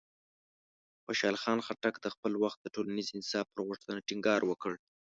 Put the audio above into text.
خوشحال خان خټک د خپل وخت د ټولنیز انصاف پر غوښتنه ټینګار وکړ.